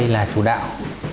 là chủ đạo